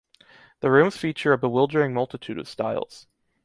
The rooms feature a bewildering multitude of styles.